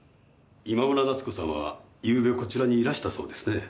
今村奈津子さんはゆうべこちらにいらしたそうですね。